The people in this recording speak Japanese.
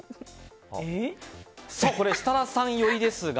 これ、設楽さん寄りですが。